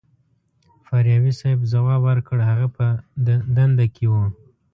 فاریابي صیب ځواب ورکړ هغه په دنده کې و.